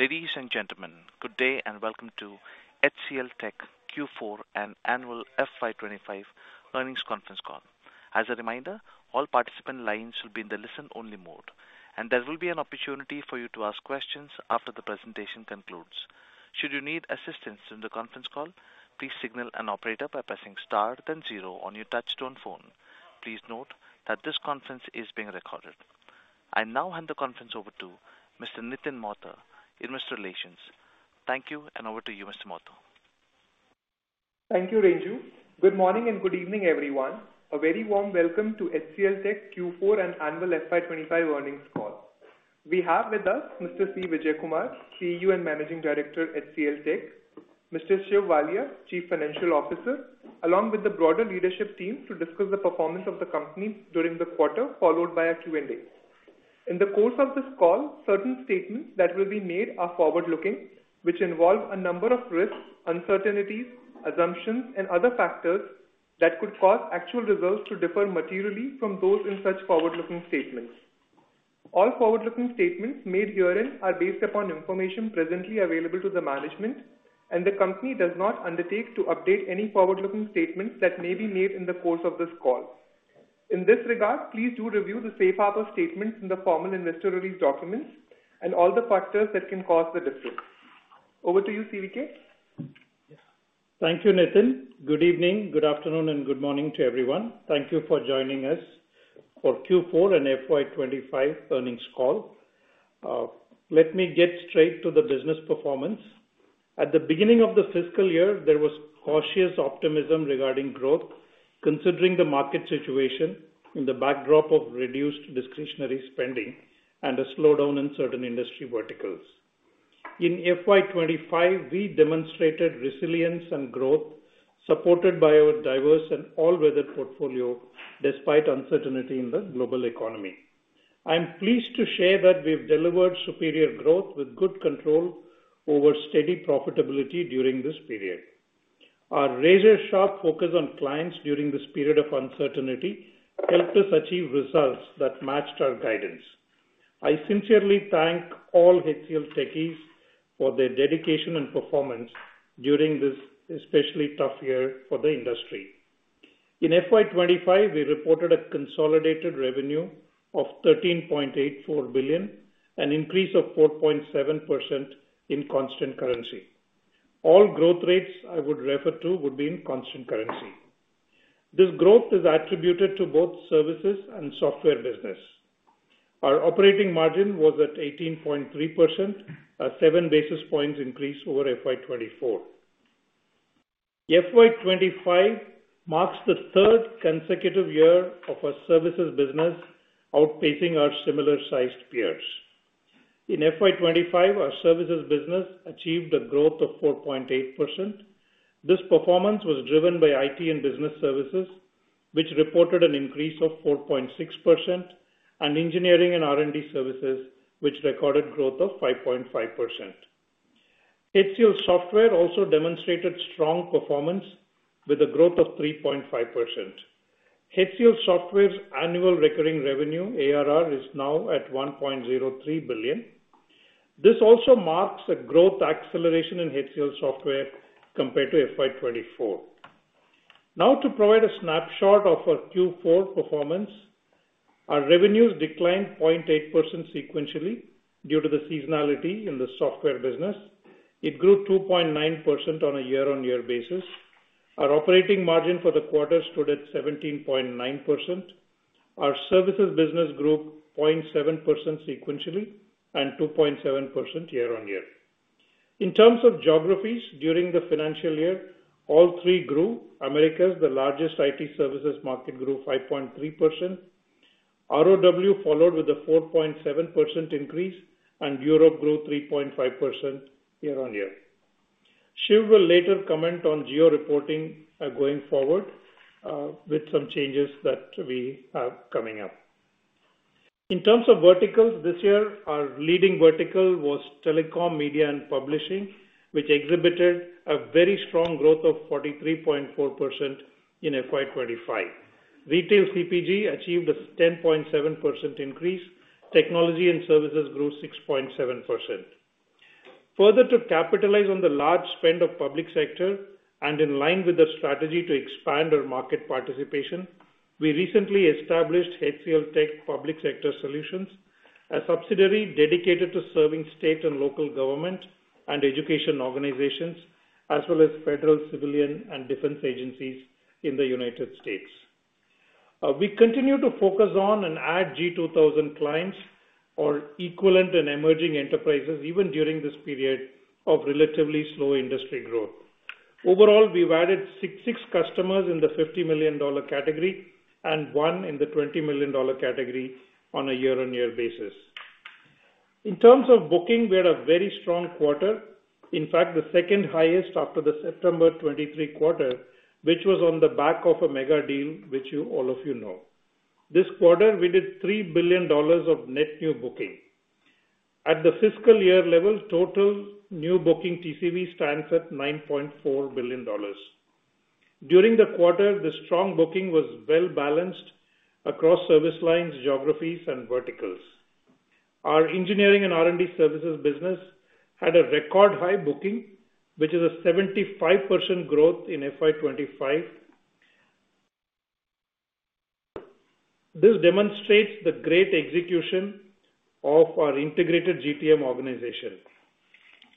Ladies and gentlemen, good day and welcome to HCLTech Q4 and Annual FY 2025 Earnings Conference Call. As a reminder, all participant lines will be in the listen-only mode, and there will be an opportunity for you to ask questions after the presentation concludes. Should you need assistance during the conference call, please signal an operator by pressing star then zero on your touch-tone phone. Please note that this conference is being recorded. I now hand the conference over to Mr. Nitin Mohta in Investor Relations. Thank you, and over to you, Mr. Mohta. Thank you, Renju. Good morning and good evening, everyone. A very warm welcome to HCLTech Q4 and Annual FY 2025 Earnings Call. We have with us Mr. C. Vijayakumar, CEO and Managing Director at HCLTech, Mr. Shiv Walia, Chief Financial Officer, along with the broader leadership team to discuss the performance of the company during the quarter, followed by a Q&A. In the course of this call, certain statements that will be made are forward-looking, which involve a number of risks, uncertainties, assumptions, and other factors that could cause actual results to differ materially from those in such forward-looking statements. All forward-looking statements made herein are based upon information presently available to the management, and the company does not undertake to update any forward-looking statements that may be made in the course of this call. In this regard, please do review the Safe Harbor statements in the formal investor release documents and all the factors that can cause the difference. Over to you, CVK. Thank you, Nitin. Good evening, good afternoon, and good morning to everyone. Thank you for joining us for Q4 and FY 2025 Earnings Call. Let me get straight to the business performance. At the beginning of the fiscal year, there was cautious optimism regarding growth, considering the market situation in the backdrop of reduced discretionary spending and a slowdown in certain industry verticals. In FY 2025, we demonstrated resilience and growth, supported by our diverse and all-weather portfolio despite uncertainty in the global economy. I'm pleased to share that we've delivered superior growth with good control over steady profitability during this period. Our razor-sharp focus on clients during this period of uncertainty helped us achieve results that matched our guidance. I sincerely thank all HCLTechies for their dedication and performance during this especially tough year for the industry. In FY 2025, we reported a consolidated revenue of $13.84 billion, an increase of 4.7% in constant currency. All growth rates I would refer to would be in constant currency. This growth is attributed to both services and software business. Our operating margin was at 18.3%, a seven basis points increase over FY 2024. FY 2025 marks the third consecutive year of our services business outpacing our similar-sized peers. In FY 2025, our services business achieved a growth of 4.8%. This performance was driven by IT and Business Services, which reported an increase of 4.6%, and Engineering and R&D Services, which recorded growth of 5.5%. HCL Software also demonstrated strong performance with a growth of 3.5%. HCL Software's annual recurring revenue, ARR, is now at $1.03 billion. This also marks a growth acceleration in HCL Software compared to FY 2024. Now, to provide a snapshot of our Q4 performance, our revenues declined 0.8% sequentially due to the seasonality in the software business. It grew 2.9% on a year-on-year basis. Our operating margin for the quarter stood at 17.9%. Our services business grew 0.7% sequentially and 2.7% year-on-year. In terms of geographies during the financial year, all three grew. America's largest IT services market grew 5.3%. ROW followed with a 4.7% increase, and Europe grew 3.5% year-on-year. Shiv will later comment on geo-reporting going forward with some changes that we have coming up. In terms of verticals, this year, our leading vertical was Telecom, Media, and Publishing, which exhibited a very strong growth of 43.4% in FY 2025. Retail CPG achieved a 10.7% increase. Technology and Services grew 6.7%. Further, to capitalize on the large spend of the public sector and in line with our strategy to expand our market participation, we recently established HCLTech Public Sector Solutions, a subsidiary dedicated to serving state and local government and education organizations, as well as federal, civilian, and defense agencies in the United States. We continue to focus on and add G2000 clients or equivalent and emerging enterprises even during this period of relatively slow industry growth. Overall, we've added six customers in the $50 million category and one in the $20 million category on a year-on-year basis. In terms of booking, we had a very strong quarter, in fact, the second highest after the September 2023 quarter, which was on the back of a mega deal, which all of you know. This quarter, we did $3 billion of net new booking. At the fiscal year level, total new booking TCV stands at $9.4 billion. During the quarter, the strong booking was well-balanced across service lines, geographies, and verticals. Our Engineering and R&D Services business had a record high booking, which is a 75% growth in FY 2025. This demonstrates the great execution of our integrated GTM organization.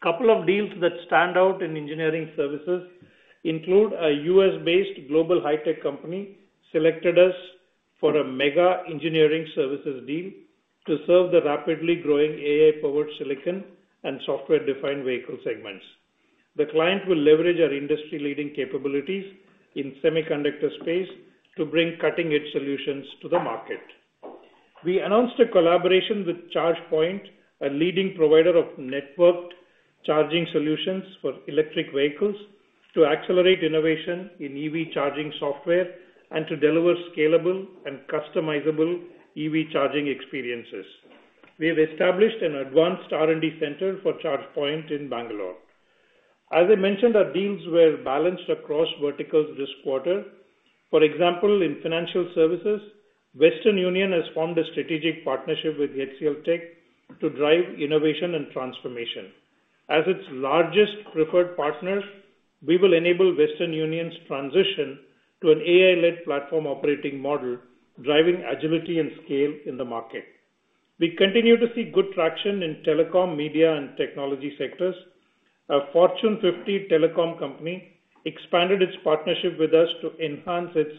A couple of deals that stand out in engineering services include a US-based global high-tech company selected us for a mega engineering services deal to serve the rapidly growing AI-powered silicon and software-defined vehicle segments. The client will leverage our industry-leading capabilities in semiconductor space to bring cutting-edge solutions to the market. We announced a collaboration with ChargePoint, a leading provider of networked charging solutions for electric vehicles, to accelerate innovation in EV charging software and to deliver scalable and customizable EV charging experiences. We have established an advanced R&D center for ChargePoint in Bangalore. As I mentioned, our deals were balanced across verticals this quarter. For example, in Financial Services, Western Union has formed a strategic partnership with HCLTech to drive innovation and transformation. As its largest preferred partner, we will enable Western Union's transition to an AI-led platform operating model, driving agility and scale in the market. We continue to see good traction in telecom, media, and technology sectors. A Fortune 50 telecom company expanded its partnership with us to enhance its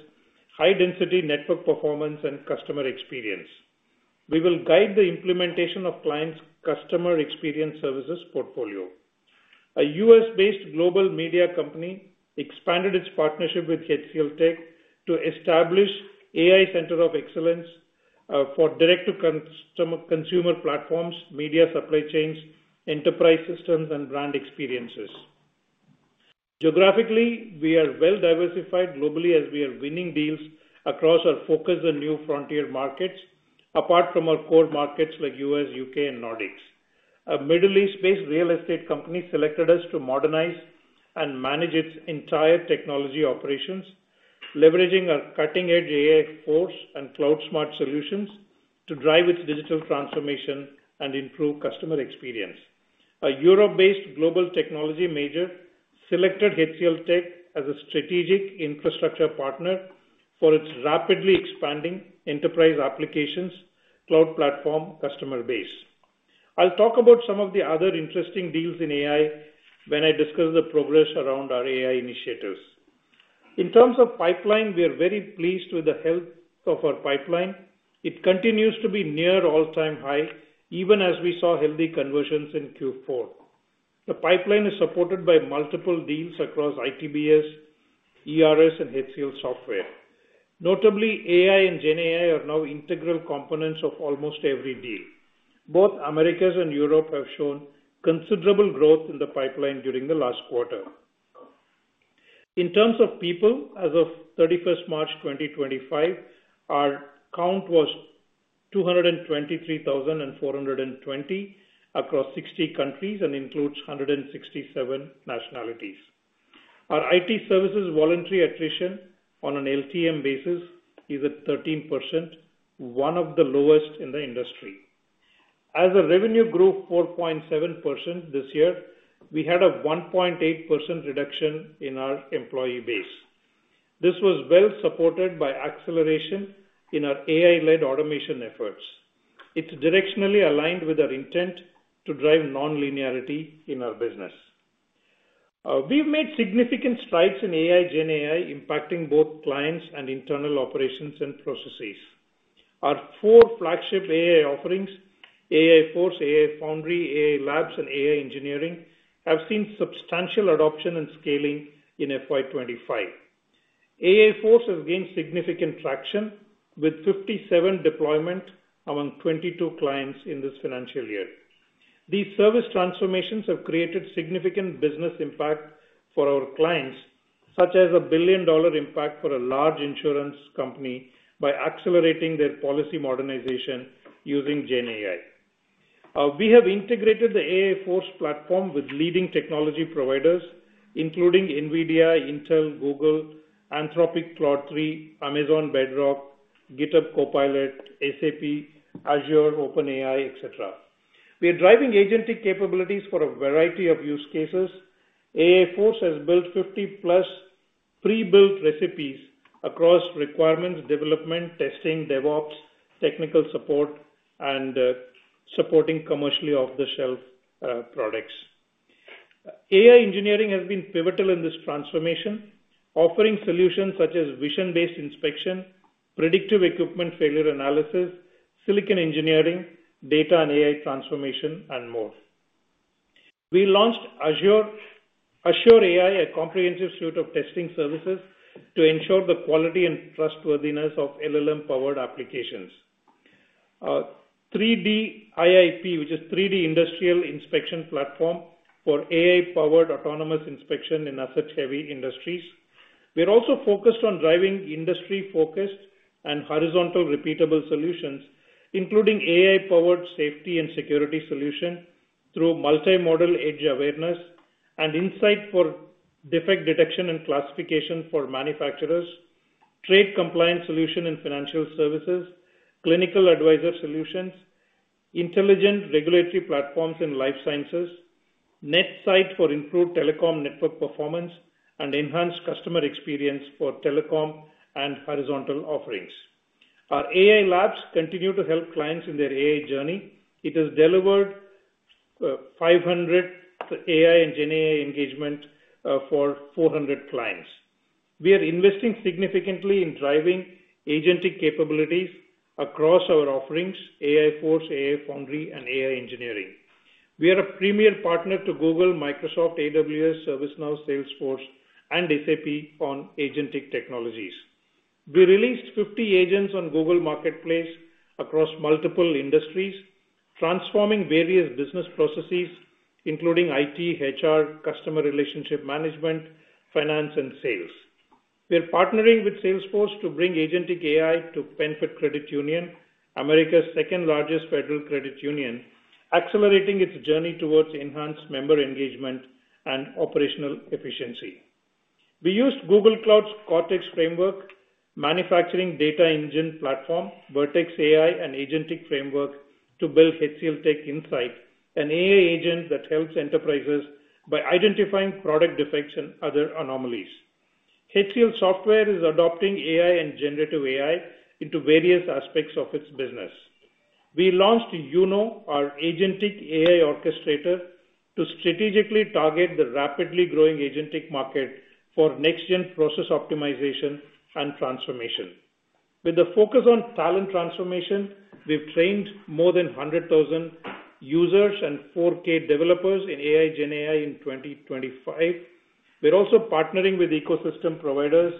high-density network performance and customer experience. We will guide the implementation of clients' customer experience services portfolio. A US-based global media company expanded its partnership with HCLTech to establish an AI center of excellence for direct-to-consumer platforms, media supply chains, enterprise systems, and brand experiences. Geographically, we are well-diversified globally as we are winning deals across our focus and new frontier markets, apart from our core markets like U.S., U.K., and Nordics. A Middle East-based real estate company selected us to modernize and manage its entire technology operations, leveraging our cutting-edge AI Force and cloud-smart solutions to drive its digital transformation and improve customer experience. A Europe-based global technology major selected HCLTech as a strategic infrastructure partner for its rapidly expanding enterprise applications cloud platform customer base. I'll talk about some of the other interesting deals in AI when I discuss the progress around our AI initiatives. In terms of pipeline, we are very pleased with the health of our pipeline. It continues to be near all-time high, even as we saw healthy conversions in Q4. The pipeline is supported by multiple deals across ITBS, ERS, and HCL Software. Notably, AI and GenAI are now integral components of almost every deal. Both America and Europe have shown considerable growth in the pipeline during the last quarter. In terms of people, as of 31st March 2025, our count was 223,420 across 60 countries and includes 167 nationalities. Our IT services voluntary attrition on an LTM basis is at 13%, one of the lowest in the industry. As our revenue grew 4.7% this year, we had a 1.8% reduction in our employee base. This was well-supported by acceleration in our AI-led automation efforts. It is directionally aligned with our intent to drive non-linearity in our business. We have made significant strides in AI and GenAI, impacting both clients and internal operations and processes. Our four flagship AI offerings: AI Force, AI Foundry, AI Labs, and AI Engineering have seen substantial adoption and scaling in FY 2025. AI Force has gained significant traction with 57 deployments among 22 clients in this financial year. These service transformations have created significant business impact for our clients, such as a billion-dollar impact for a large insurance company by accelerating their policy modernization using GenAI. We have integrated the AI Force platform with leading technology providers, including NVIDIA, Intel, Google, Anthropic, Amazon Bedrock, GitHub Copilot, SAP, Azure, OpenAI, etc. We are driving agentic capabilities for a variety of use cases. AI Force has built 50-plus pre-built recipes across requirements, development, testing, DevOps, technical support, and supporting commercially off-the-shelf products. AI engineering has been pivotal in this transformation, offering solutions such as vision-based inspection, predictive equipment failure analysis, silicon engineering, data and AI transformation, and more. We launched Azure AI, a comprehensive suite of testing services to ensure the quality and trustworthiness of LLM-powered applications. 3D IIP, which is 3D Industrial Inspection Platform for AI-powered autonomous inspection in asset-heavy industries. We are also focused on driving industry-focused and horizontal repeatable solutions, including AI-powered safety and security solution through multi-modal edge awareness and insight for defect detection and classification for manufacturers, trade compliance solution in Financial Services, clinical advisor solutions, intelligent regulatory platforms in Life Sciences, NetSight for improved telecom network performance, and enhanced customer experience for telecom and horizontal offerings. Our AI Labs continue to help clients in their AI journey. It has delivered 500 AI and GenAI engagements for 400 clients. We are investing significantly in driving agentic capabilities across our offerings: AI Force, AI Foundry, and AI Engineering. We are a premier partner to Google, Microsoft, AWS, ServiceNow, Salesforce, and SAP on agentic technologies. We released 50 agents on Google Marketplace across multiple industries, transforming various business processes, including IT, HR, customer relationship management, finance, and sales. We are partnering with Salesforce to bring agentic AI to PenFed Credit Union, America's second-largest federal credit union, accelerating its journey towards enhanced member engagement and operational efficiency. We used Google Cloud's Cortex framework, Manufacturing Data Engine Platform, Vertex AI, and Agentic Framework to build HCLTech Insight, an AI agent that helps enterprises by identifying product defects and other anomalies. HCL Software is adopting AI and generative AI into various aspects of its business. We launched Uno, our agentic AI orchestrator, to strategically target the rapidly growing agentic market for next-gen process optimization and transformation. With a focus on talent transformation, we've trained more than 100,000 users and 4,000 developers in AI and GenAI in 2025. We're also partnering with ecosystem providers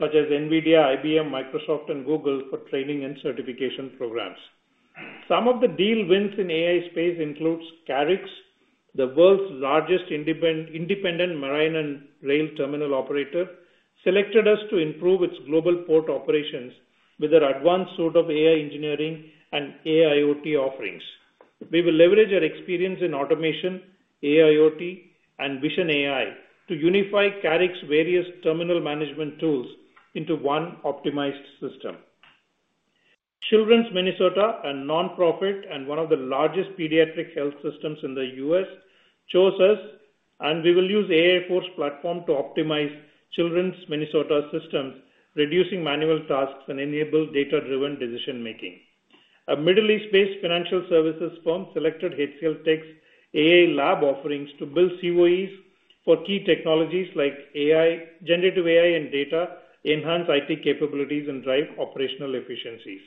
such as NVIDIA, IBM, Microsoft, and Google for training and certification programs. Some of the deal wins in the AI space include Carrix, the world's largest independent marine and rail terminal operator, who selected us to improve its global port operations with our advanced suite of AI engineering and AIoT offerings. We will leverage our experience in automation, AIoT, and Vision AI to unify Carrix's various terminal management tools into one optimized system. Children's Minnesota, a nonprofit and one of the largest pediatric health systems in the US, chose us, and we will use AI Force platform to optimize Children's Minnesota's systems, reducing manual tasks and enabling data-driven decision-making. A Middle East-based Financial Services firm selected HCLTech's AI Labs offerings to build COEs for key technologies like AI, generative AI, and data, enhance IT capabilities, and drive operational efficiencies.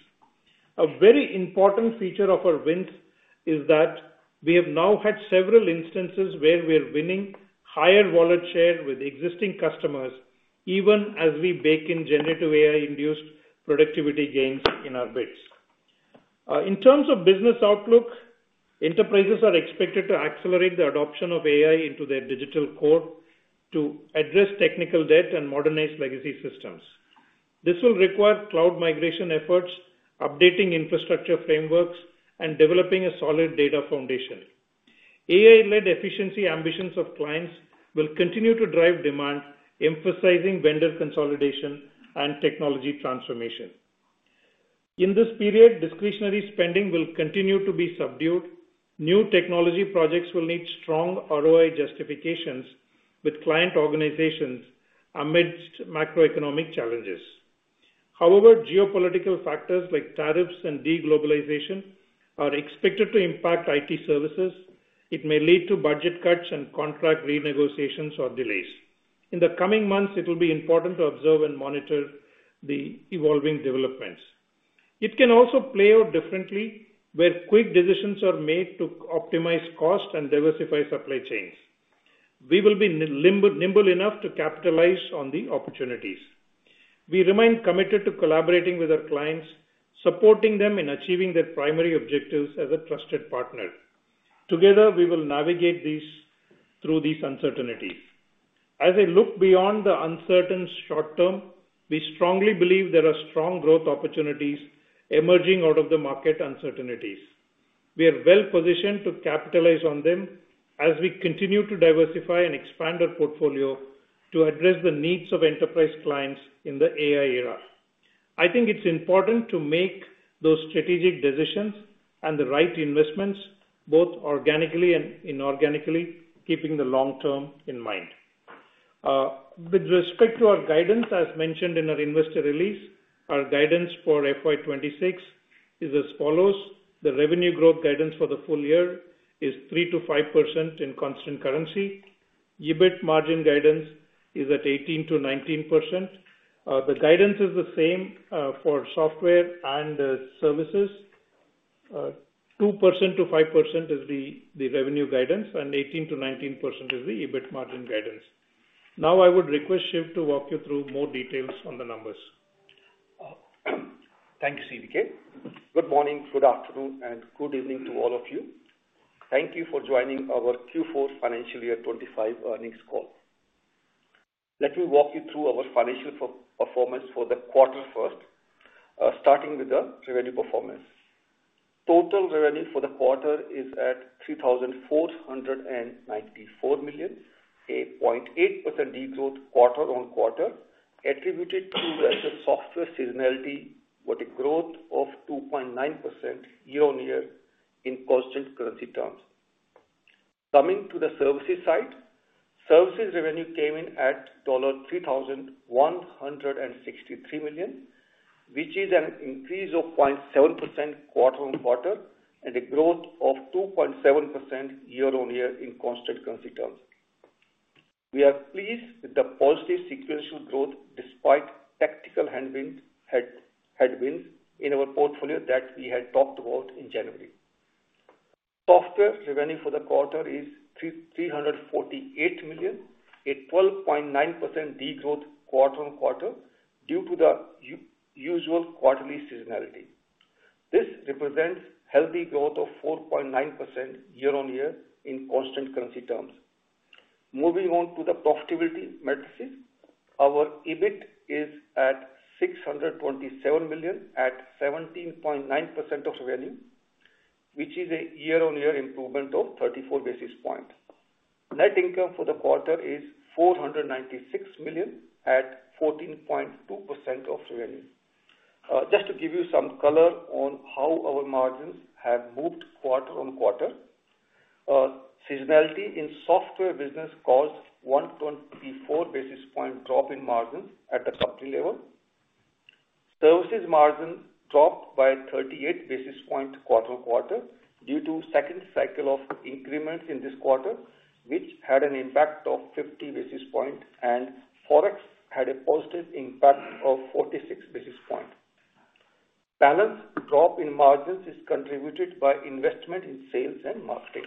A very important feature of our wins is that we have now had several instances where we are winning higher wallet share with existing customers, even as we bake in generative AI-induced productivity gains in our bids. In terms of business outlook, enterprises are expected to accelerate the adoption of AI into their digital core to address technical debt and modernize legacy systems. This will require cloud migration efforts, updating infrastructure frameworks, and developing a solid data foundation. AI-led efficiency ambitions of clients will continue to drive demand, emphasizing vendor consolidation and technology transformation. In this period, discretionary spending will continue to be subdued. New technology projects will need strong ROI justifications with client organizations amidst macroeconomic challenges. However, geopolitical factors like tariffs and deglobalization are expected to impact IT services. It may lead to budget cuts and contract renegotiations or delays. In the coming months, it will be important to observe and monitor the evolving developments. It can also play out differently where quick decisions are made to optimize costs and diversify supply chains. We will be nimble enough to capitalize on the opportunities. We remain committed to collaborating with our clients, supporting them in achieving their primary objectives as a trusted partner. Together, we will navigate through these uncertainties. As I look beyond the uncertain short term, we strongly believe there are strong growth opportunities emerging out of the market uncertainties. We are well-positioned to capitalize on them as we continue to diversify and expand our portfolio to address the needs of enterprise clients in the AI era. I think it's important to make those strategic decisions and the right investments, both organically and inorganically, keeping the long term in mind. With respect to our guidance, as mentioned in our investor release, our guidance for FY 2026 is as follows. The revenue growth guidance for the full year is 3%-5% in constant currency. EBIT margin guidance is at 18%-19%. The guidance is the same for software and services. 2%-5% is the revenue guidance, and 18%-19% is the EBIT margin guidance. Now, I would request Shiv to walk you through more details on the numbers. Thank you, CVK. Good morning, good afternoon, and good evening to all of you. Thank you for joining our Q4 Financial Year 2025 earnings call. Let me walk you through our financial performance for the quarter first, starting with the revenue performance. Total revenue for the quarter is at $3,494 million, 8.8% degrowth quarter-on-quarter, attributed to the software seasonality with a growth of 2.9% year-on-year in constant currency terms. Coming to the services side, services revenue came in at $3,163 million, which is an increase of 0.7% quarter-on-quarter and a growth of 2.7% year-on-year in constant currency terms. We are pleased with the positive sequential growth despite tactical headwinds in our portfolio that we had talked about in January. Software revenue for the quarter is $348 million, a 12.9% degrowth quarter-on-quarter due to the usual quarterly seasonality. This represents healthy growth of 4.9% year-on-year in constant currency terms. Moving on to the profitability metrics, our EBIT is at $627 million at 17.9% of revenue, which is a year-on-year improvement of 34 basis points. Net income for the quarter is $496 million at 14.2% of revenue. Just to give you some color on how our margins have moved quarter-on-quarter, seasonality in software business caused a 124 basis point drop in margins at the company level. Services margin dropped by 38 basis points quarter-on-quarter due to the second cycle of increments in this quarter, which had an impact of 50 basis points, and Forex had a positive impact of 46 basis points. Balance drop in margins is contributed by investment in sales and marketing.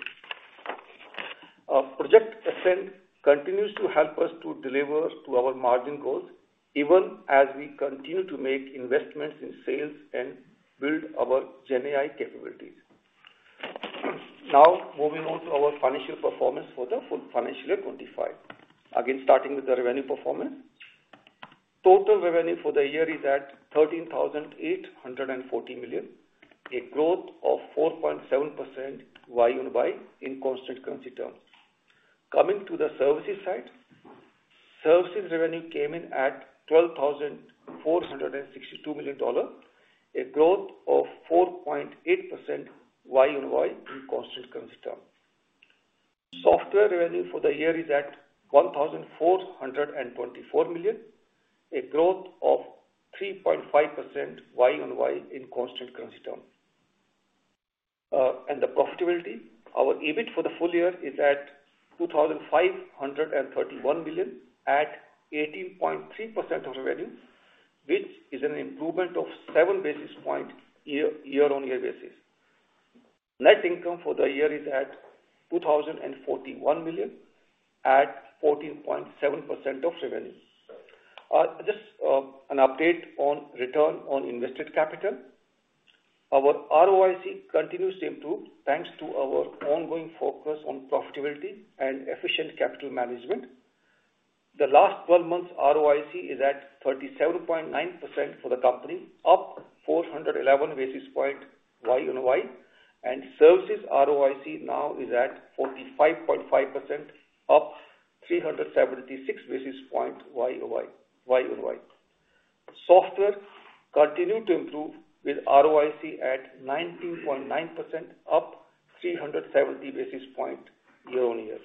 Project Ascend continues to help us to deliver to our margin goals, even as we continue to make investments in sales and build our GenAI capabilities. Now, moving on to our financial performance for the financial year 2025. Again, starting with the revenue performance, total revenue for the year is at $13,840 million, a growth of 4.7% Y-on-Y in constant currency terms. Coming to the services side, services revenue came in at $12,462 million, a growth of 4.8% Y-on-Y in constant currency terms. Software revenue for the year is at $1,424 million, a growth of 3.5% Y-on-Y in constant currency terms. The profitability, our EBIT for the full year is at $2,531 million at 18.3% of revenue, which is an improvement of 7 basis points year-on-year basis. Net income for the year is at $2,041 million at 14.7% of revenue. Just an update on return on invested capital. Our ROIC continues to improve thanks to our ongoing focus on profitability and efficient capital management. The last 12 months' ROIC is at 37.9% for the company, up 411 basis points Y-on-Y, and services ROIC now is at 45.5%, up 376 basis points Y-on-Y. Software continued to improve with ROIC at 19.9%, up 370 basis points year-on-year.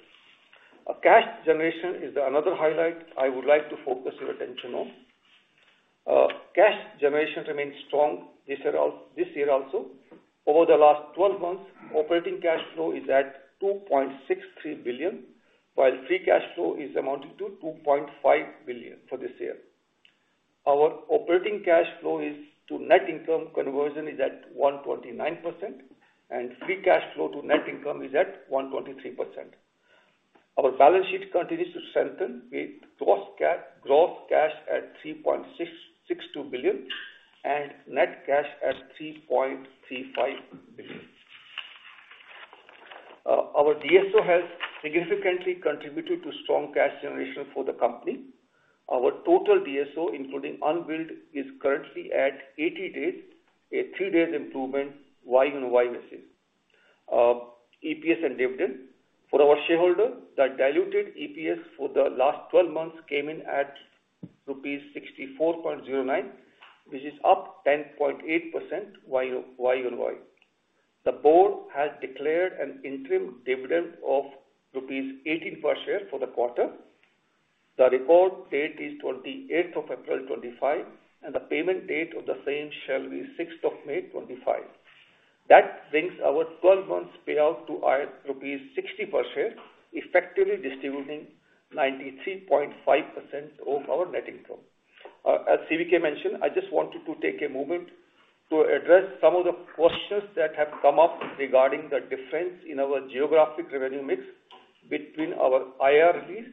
Cash generation is another highlight I would like to focus your attention on. Cash generation remains strong this year also. Over the last 12 months, operating cash flow is at $2.63 billion, while free cash flow is amounting to $2.5 billion for this year. Our operating cash flow to net income conversion is at 129%, and free cash flow to net income is at 123%. Our balance sheet continues to strengthen with gross cash at $3.62 billion and net cash at $3.35 billion. Our DSO has significantly contributed to strong cash generation for the company. Our total DSO, including unbilled, is currently at 80 days, a three-day improvement Y-on-Y basis. EPS and dividend. For our shareholder, the diluted EPS for the last 12 months came in at rupees 64.09, which is up 10.8% Y-on-Y. The board has declared an interim dividend of rupees 18 per share for the quarter. The record date is 28th of April 2025, and the payment date of the same shall be 6th of May 2025. That brings our 12-month payout to rupees 60 per share, effectively distributing 93.5% of our net income. As CVK mentioned, I just wanted to take a moment to address some of the questions that have come up regarding the difference in our geographic revenue mix between our IR release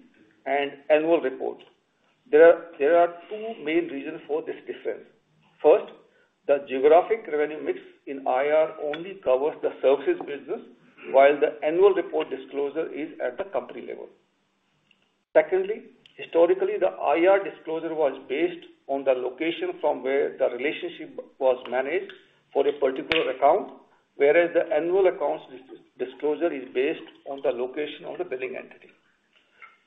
and annual report. There are two main reasons for this difference. First, the geographic revenue mix in IR only covers the services business, while the annual report disclosure is at the company level. Secondly, historically, the IR disclosure was based on the location from where the relationship was managed for a particular account, whereas the annual accounts disclosure is based on the location of the billing entity.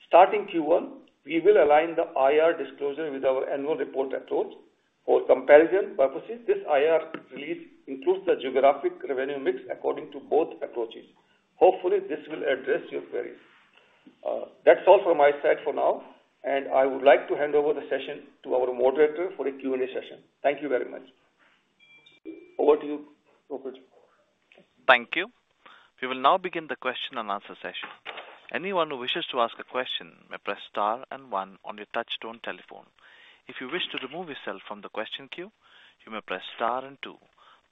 Starting Q1, we will align the IR disclosure with our annual report approach. For comparison purposes, this IR release includes the geographic revenue mix according to both approaches. Hopefully, this will address your queries. That's all from my side for now, and I would like to hand over the session to our moderator for a Q&A session. Thank you very much. Over to you, Rupesh. Thank you. We will now begin the question and answer session. Anyone who wishes to ask a question may press star and one on your touch-tone telephone. If you wish to remove yourself from the question queue, you may press star and two.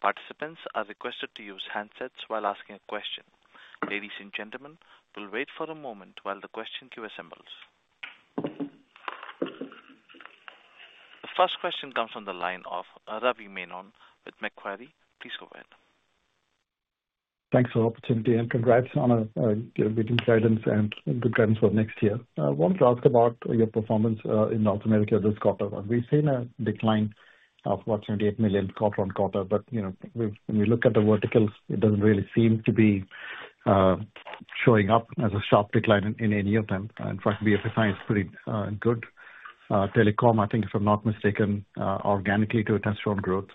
Participants are requested to use handsets while asking a question. Ladies and gentlemen, we'll wait for a moment while the question queue assembles. The first question comes from the line of Ravi Menon with Macquarie. Please go ahead. Thanks for the opportunity and congrats on your greetings, guidance, and good guidance for next year. I wanted to ask about your performance in North America this quarter. We've seen a decline of about $28 million quarter-on-quarter, but when we look at the verticals, it doesn't really seem to be showing up as a sharp decline in any of them. In fact, BFSI is pretty good. Telecom, I think, if I'm not mistaken, organically to a test for growth.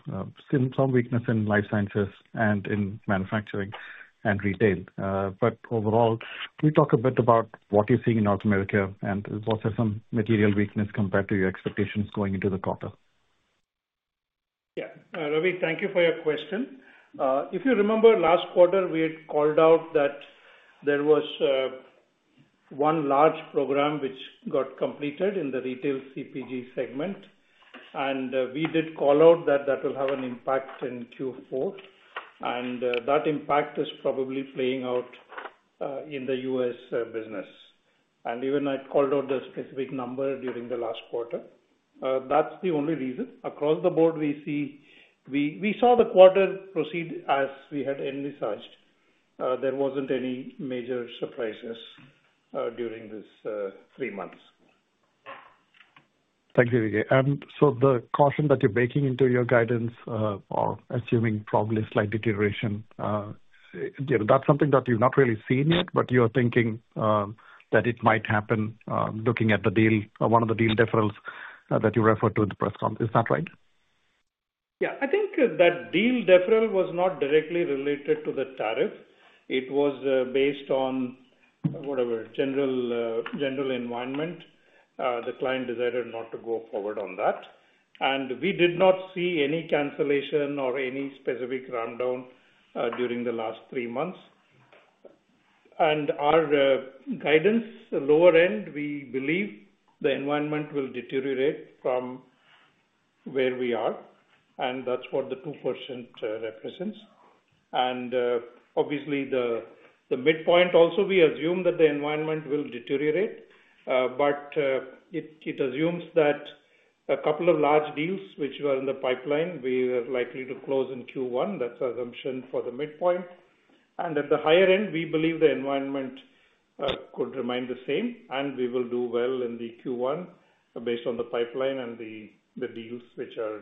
Some weakness in Life Sciences and in Manufacturing and retail. Overall, can we talk a bit about what you're seeing in North America and what are some material weaknesses compared to your expectations going into the quarter? Yeah. Ravi, thank you for your question. If you remember, last quarter, we had called out that there was one large program which got completed in the retail CPG segment, and we did call out that that will have an impact in Q4. That impact is probably playing out in the U.S. business. Even I called out the specific number during the last quarter. That is the only reason. Across the board, we saw the quarter proceed as we had envisaged. There were not any major surprises during these three months. Thank you, Vijay. The caution that you are baking into your guidance or assuming probably slight deterioration, that is something that you have not really seen yet, but you are thinking that it might happen looking at one of the deal deferrals that you referred to in the press conference. Is that right? Yeah. I think that deal deferral was not directly related to the tariff. It was based on whatever general environment. The client decided not to go forward on that. We did not see any cancellation or any specific rundown during the last three months. Our guidance lower end, we believe the environment will deteriorate from where we are. That is what the 2% represents. Obviously, the midpoint also, we assume that the environment will deteriorate, but it assumes that a couple of large deals which were in the pipeline, we are likely to close in Q1. That is the assumption for the midpoint. At the higher end, we believe the environment could remain the same, and we will do well in Q1 based on the pipeline and the deals which are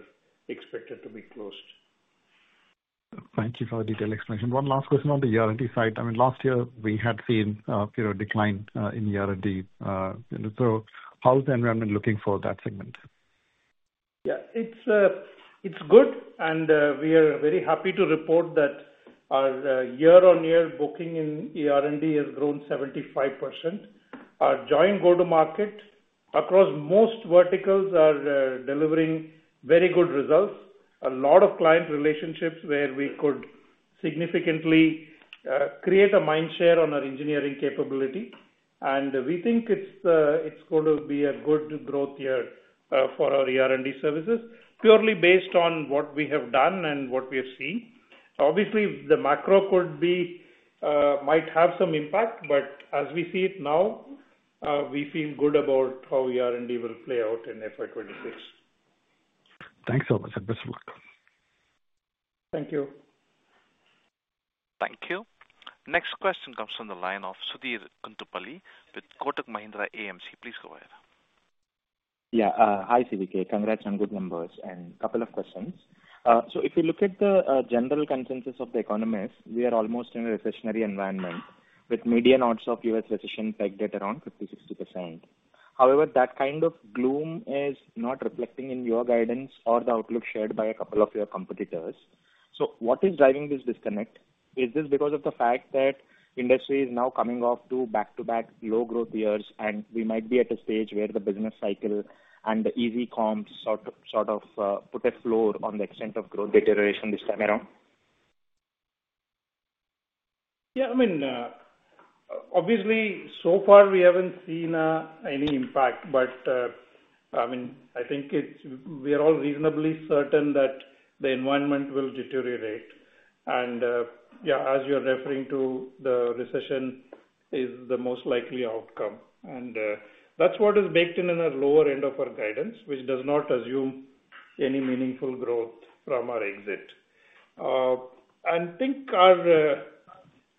expected to be closed. Thank you for the detailed explanation. One last question on the ER&D side. I mean, last year, we had seen a decline in ER&D. How is the environment looking for that segment? Yeah. It is good, and we are very happy to report that our year-on-year booking in ER&D has grown 75%. Our joint go-to-market across most verticals are delivering very good results. A lot of client relationships where we could significantly create a mind share on our engineering capability. We think it's going to be a good growth year for our ER&D services, purely based on what we have done and what we have seen. Obviously, the macro might have some impact, but as we see it now, we feel good about how ER&D will play out in FY 2026. Thanks so much. Best of luck. Thank you. Thank you. Next question comes from the line of Sudheer Guntupalli with Kotak Mahindra AMC. Please go ahead. Yeah. Hi, CVK. Congrats on good numbers and a couple of questions. If you look at the general consensus of the economists, we are almost in a recessionary environment with median odds of US recession pegged at around 50-60%. However, that kind of gloom is not reflecting in your guidance or the outlook shared by a couple of your competitors. What is driving this disconnect? Is this because of the fact that industry is now coming off to back-to-back low-growth years, and we might be at a stage where the business cycle and the easy comps sort of put a floor on the extent of growth deterioration this time around? Yeah. I mean, obviously, so far, we haven't seen any impact, but I mean, I think we are all reasonably certain that the environment will deteriorate. Yeah, as you're referring to, the recession is the most likely outcome. That is what is baked in in our lower end of our guidance, which does not assume any meaningful growth from our exit. I think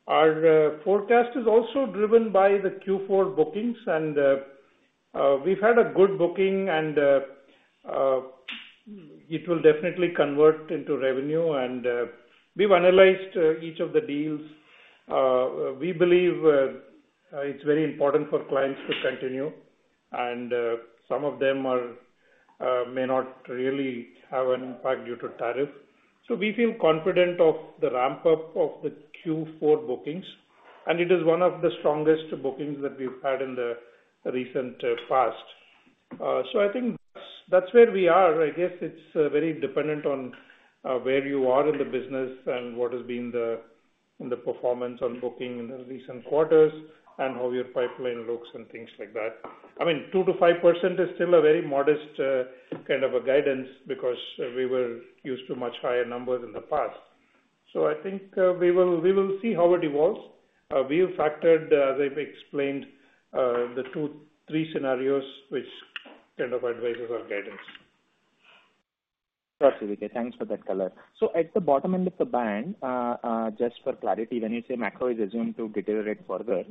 our forecast is also driven by the Q4 bookings, and we've had a good booking, and it will definitely convert into revenue. We've analyzed each of the deals. We believe it's very important for clients to continue, and some of them may not really have an impact due to tariff. We feel confident of the ramp-up of the Q4 bookings, and it is one of the strongest bookings that we've had in the recent past. I think that's where we are. I guess it's very dependent on where you are in the business and what has been the performance on booking in the recent quarters and how your pipeline looks and things like that. I mean, 2%-5% is still a very modest kind of guidance because we were used to much higher numbers in the past. I think we will see how it evolves. We have factored, as I've explained, the two, three scenarios, which kind of advises our guidance. Got it, CVK. Thanks for that color. At the bottom end of the band, just for clarity, when you say macro is assumed to deteriorate further,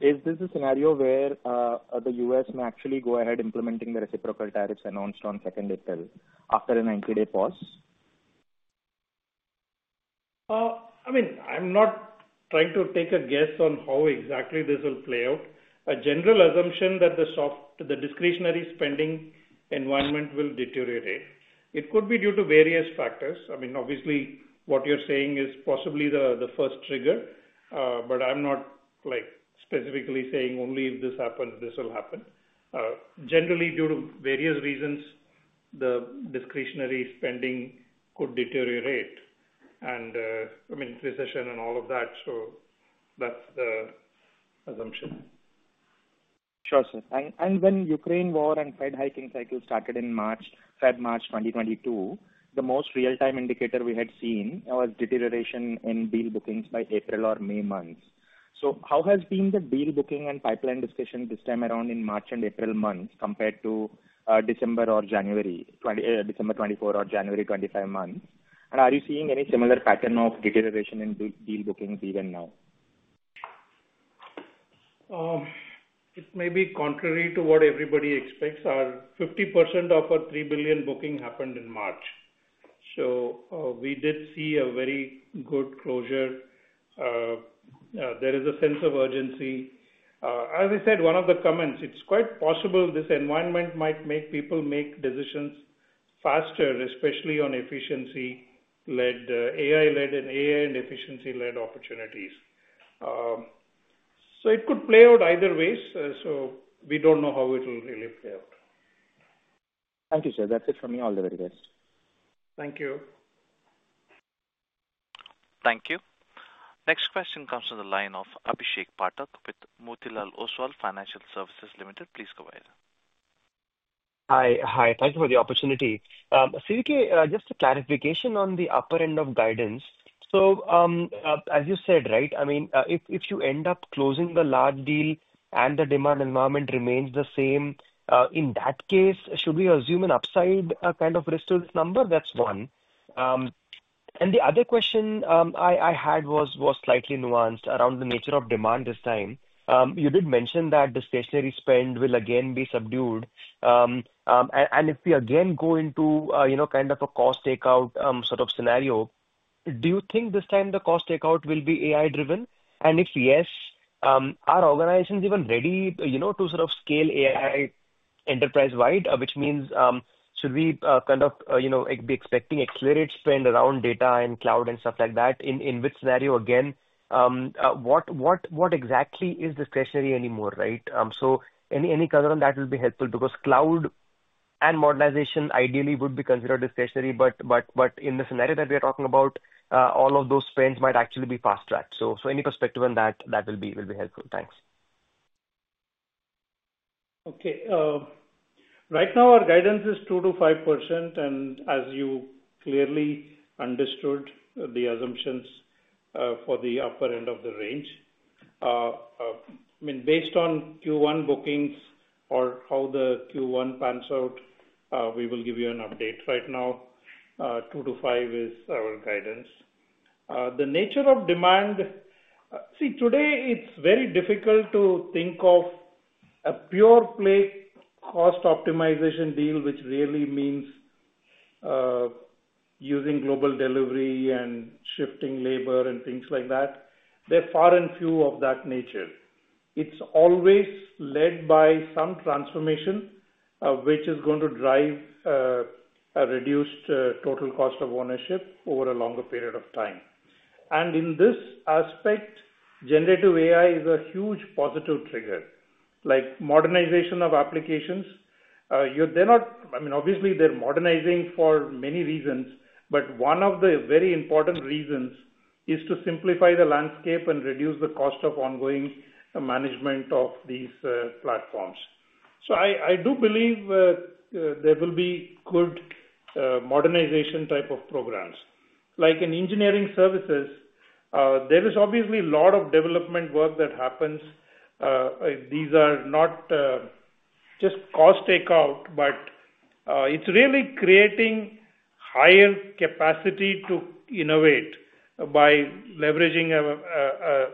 is this a scenario where the U.S. may actually go ahead implementing the reciprocal tariffs announced on 2 April after a 90-day pause? I mean, I'm not trying to take a guess on how exactly this will play out. A general assumption that the discretionary spending environment will deteriorate. It could be due to various factors. I mean, obviously, what you're saying is possibly the first trigger, but I'm not specifically saying only if this happens, this will happen. Generally, due to various reasons, the discretionary spending could deteriorate and, I mean, recession and all of that. That's the assumption. Sure. When the Ukraine war and Fed hiking cycle started in February, March 2022, the most real-time indicator we had seen was deterioration in deal bookings by April or May months. How has the deal booking and pipeline discussion been this time around in March and April months compared to December or January, December 2024 or January 2025 months? Are you seeing any similar pattern of deterioration in deal bookings even now? It may be contrary to what everybody expects. Our 50% of our $3 billion booking happened in March. We did see a very good closure. There is a sense of urgency. As I said, one of the comments, it's quite possible this environment might make people make decisions faster, especially on efficiency-led, AI-led, and AI and efficiency-led opportunities. It could play out either way. We do not know how it will really play out. Thank you, sir. That is it from me. All the very best. Thank you. Thank you. Next question comes from the line of Abhishek Pathak with Motilal Oswal Financial Services Limited. Please go ahead. Hi. Hi. Thank you for the opportunity. CVK, just a clarification on the upper end of guidance. As you said, right, I mean, if you end up closing the large deal and the demand environment remains the same, in that case, should we assume an upside kind of risk to this number? That is one. The other question I had was slightly nuanced around the nature of demand this time. You did mention that the stationary spend will again be subdued. If we again go into kind of a cost takeout sort of scenario, do you think this time the cost takeout will be AI-driven? If yes, are organizations even ready to sort of scale AI enterprise-wide, which means should we kind of be expecting accelerated spend around data and cloud and stuff like that? In which scenario, again, what exactly is discretionary anymore, right? Any color on that will be helpful because cloud and modernization ideally would be considered discretionary. In the scenario that we are talking about, all of those spends might actually be fast-tracked. Any perspective on that will be helpful. Thanks. Okay. Right now, our guidance is 2%-5%, and as you clearly understood, the assumptions for the upper end of the range. I mean, based on Q1 bookings or how the Q1 pans out, we will give you an update. Right now, 2%-5% is our guidance. The nature of demand, see, today, it's very difficult to think of a pure play cost optimization deal, which really means using global delivery and shifting labor and things like that. There are far and few of that nature. It's always led by some transformation, which is going to drive a reduced total cost of ownership over a longer period of time. In this aspect, generative AI is a huge positive trigger, like modernization of applications. I mean, obviously, they're modernizing for many reasons, but one of the very important reasons is to simplify the landscape and reduce the cost of ongoing management of these platforms. I do believe there will be good modernization type of programs. Like in engineering services, there is obviously a lot of development work that happens. These are not just cost takeout, but it's really creating higher capacity to innovate by leveraging a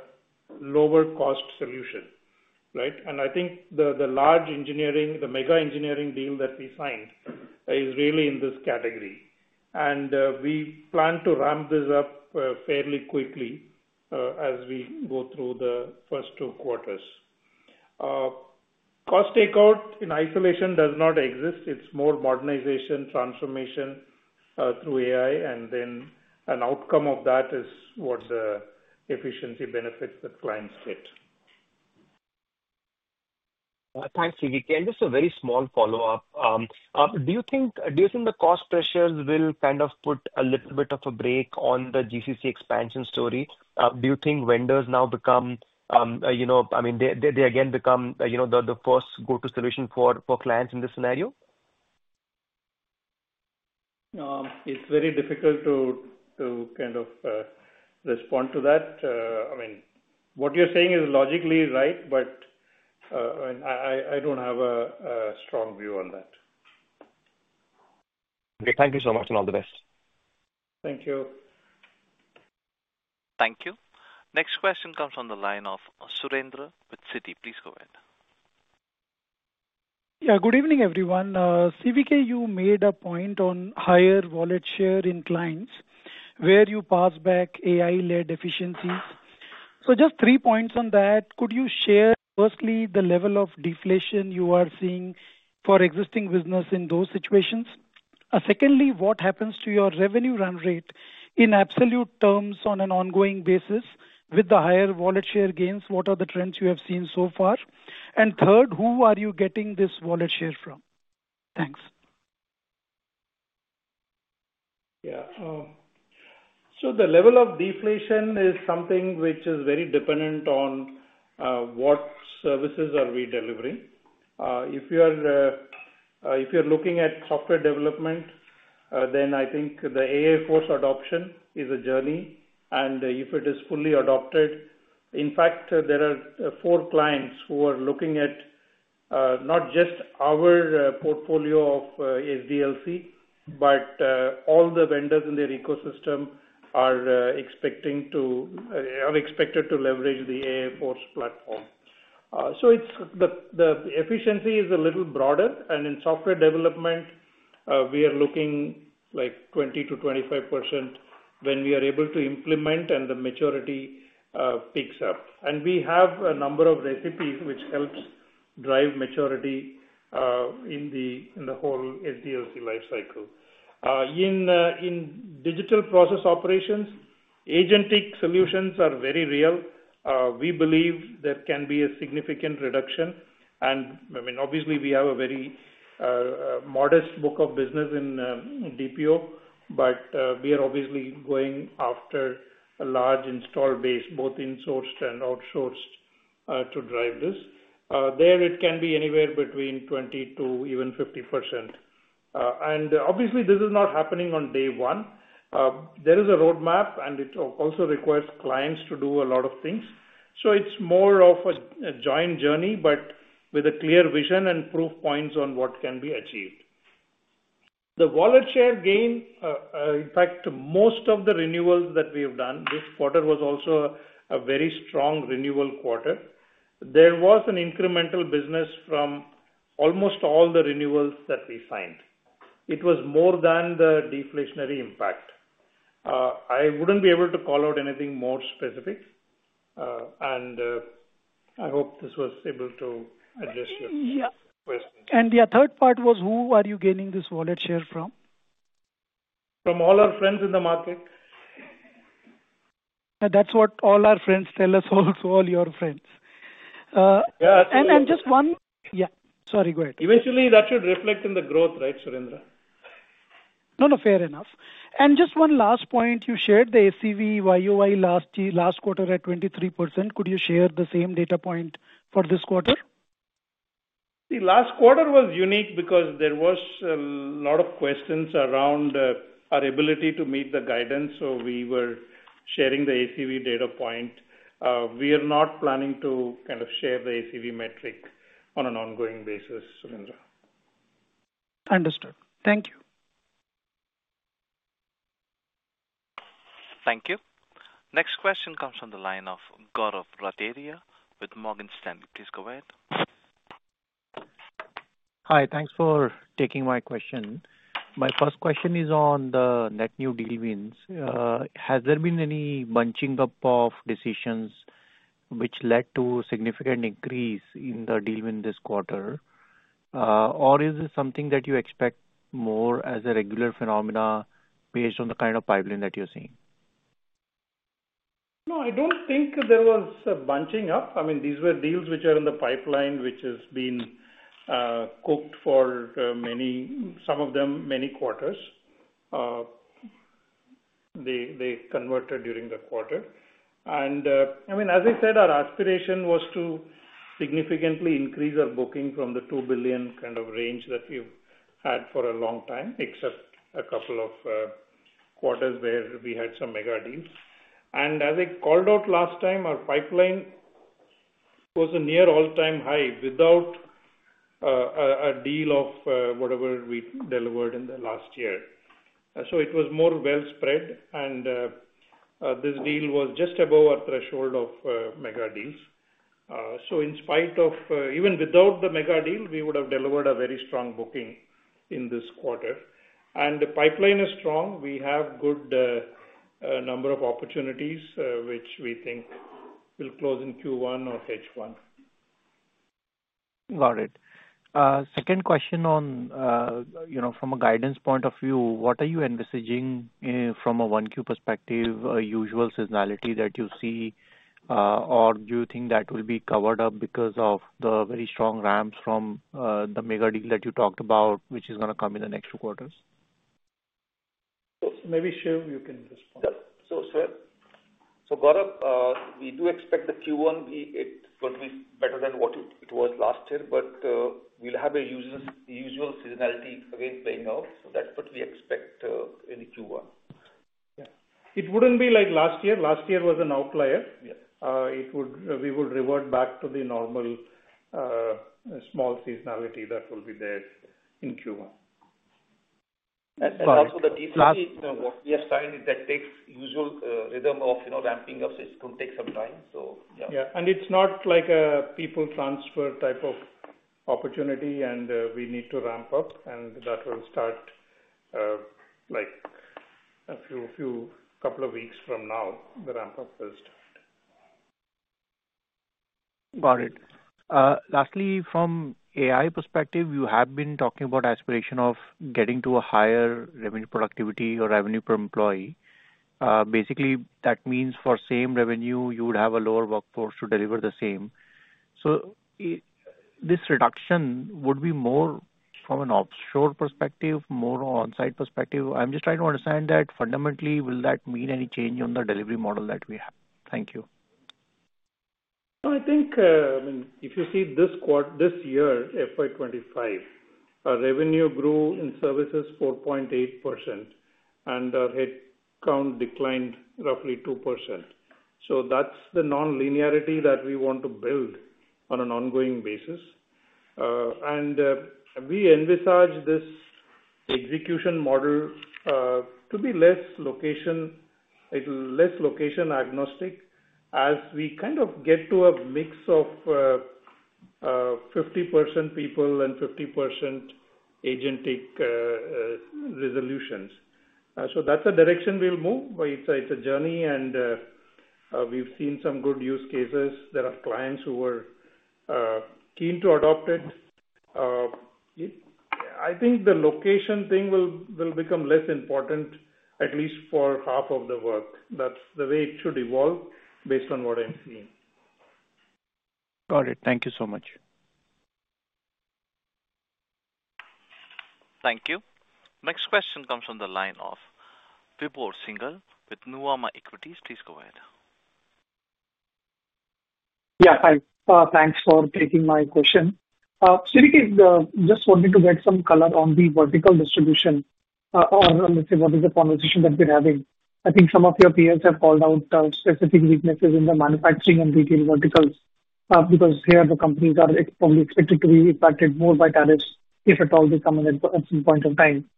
lower-cost solution, right? I think the large engineering, the mega engineering deal that we signed is really in this category. We plan to ramp this up fairly quickly as we go through the first two quarters. Cost takeout in isolation does not exist. It's more modernization, transformation through AI, and then an outcome of that is what the efficiency benefits that clients get. Thanks, CVK. Just a very small follow-up. Do you think the cost pressures will kind of put a little bit of a brake on the GCC expansion story? Do you think vendors now become, I mean, they again become the first go-to solution for clients in this scenario? It's very difficult to kind of respond to that. I mean, what you're saying is logically right, but I don't have a strong view on that. Okay. Thank you so much and all the best. Thank you. Thank you. Next question comes from the line of Surendra with Citi. Please go ahead. Yeah. Good evening, everyone. CVK, you made a point on higher wallet share in clients where you pass back AI-led efficiencies. Just three points on that. Could you share, firstly, the level of deflation you are seeing for existing business in those situations? Secondly, what happens to your revenue run rate in absolute terms on an ongoing basis with the higher wallet share gains? What are the trends you have seen so far? Third, who are you getting this wallet share from? Thanks. Yeah. The level of deflation is something which is very dependent on what services are we delivering. If you're looking at software development, then I think the AI Force adoption is a journey, and if it is fully adopted. In fact, there are four clients who are looking at not just our portfolio of SDLC, but all the vendors in their ecosystem are expected to leverage the AI Force platform. The efficiency is a little broader, and in software development, we are looking like 20-25% when we are able to implement and the maturity picks up. We have a number of recipes which helps drive maturity in the whole SDLC life cycle. In digital process operations, agentic solutions are very real. We believe there can be a significant reduction. I mean, obviously, we have a very modest book of business in DPO, but we are obviously going after a large install base, both insourced and outsourced, to drive this. There, it can be anywhere between 20% to even 50%. Obviously, this is not happening on day one. There is a roadmap, and it also requires clients to do a lot of things. It is more of a joint journey, but with a clear vision and proof points on what can be achieved. The wallet share gain, in fact, most of the renewals that we have done this quarter was also a very strong renewal quarter. There was an incremental business from almost all the renewals that we signed. It was more than the deflationary impact. I would not be able to call out anything more specific, and I hope this was able to address your question. Yeah. The third part was, who are you gaining this wallet share from? From all our friends in the market. That is what all our friends tell us, also all your friends. Yeah. And just one, yeah. Sorry. Go ahead. Eventually, that should reflect in the growth, right, Surendra? No, no. Fair enough. And just one last point. You shared the ACV YOY last quarter at 23%. Could you share the same data point for this quarter? The last quarter was unique because there was a lot of questions around our ability to meet the guidance, so we were sharing the ACV data point. We are not planning to kind of share the ACV metric on an ongoing basis, Surendra. Understood. Thank you. Thank you. Next question comes from the line of Gaurav Rateria with Morgan Stanley. Please go ahead. Hi. Thanks for taking my question. My first question is on the net new deal wins. Has there been any bunching up of decisions which led to a significant increase in the deal win this quarter? Is this something that you expect more as a regular phenomena based on the kind of pipeline that you're seeing? No, I don't think there was a bunching up. I mean, these were deals which are in the pipeline, which has been cooked for, some of them, many quarters. They converted during the quarter. I mean, as I said, our aspiration was to significantly increase our booking from the $2 billion kind of range that we've had for a long time, except a couple of quarters where we had some mega deals. As I called out last time, our pipeline was a near all-time high without a deal of whatever we delivered in the last year. It was more well spread, and this deal was just above our threshold of mega deals. In spite of even without the mega deal, we would have delivered a very strong booking in this quarter. The pipeline is strong. We have a good number of opportunities which we think will close in Q1 or H1. Got it. Second question from a guidance point of view, what are you envisaging from a 1Q perspective, a usual seasonality that you see, or do you think that will be covered up because of the very strong ramps from the mega deal that you talked about, which is going to come in the next two quarters? Maybe, Shiv, you can respond. Sir, Gaurav, we do expect Q1 is going to be better than what it was last year, but we will have a usual seasonality again playing out. That is what we expect in Q1. Yeah. It would not be like last year. Last year was an outlier. We would revert back to the normal small seasonality that will be there in Q1. Also, the DTC, what we have signed, that takes usual rhythm of ramping up. It is going to take some time. Yeah. It is not like a people transfer type of opportunity, and we need to ramp up, and that will start a couple of weeks from now. The ramp-up will start. Got it. Lastly, from AI perspective, you have been talking about aspiration of getting to a higher revenue productivity or revenue per employee. Basically, that means for same revenue, you would have a lower workforce to deliver the same. This reduction would be more from an offshore perspective, more on-site perspective. I am just trying to understand that fundamentally, will that mean any change on the delivery model that we have? Thank you. I think, I mean, if you see this year, FY 2025, our revenue grew in services 4.8%, and our headcount declined roughly 2%. That's the non-linearity that we want to build on an ongoing basis. We envisage this execution model to be less location-agnostic as we kind of get to a mix of 50% people and 50% agentic resolutions. That's a direction we'll move. It's a journey, and we've seen some good use cases. There are clients who were keen to adopt it. I think the location thing will become less important, at least for half of the work. That's the way it should evolve based on what I'm seeing. Got it. Thank you so much. Thank you. Next question comes from the line of Vibhor Singhal with Nuvama Equities. Please go ahead. Yeah. Hi. Thanks for taking my question. CVK, just wanted to get some color on the vertical distribution or, let's say, what is the conversation that we're having? I think some of your peers have called out specific weaknesses in the manufacturing and retail verticals because here, the companies are probably expected to be impacted more by tariffs if at all they come in at some point of time.